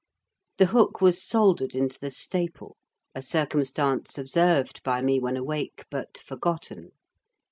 The hook was soldered into the staple: a circumstance observed by me when awake, but forgotten.